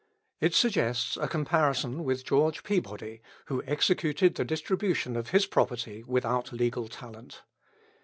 It suggests a comparison with George Peabody, who executed the distribution of his property without legal talent.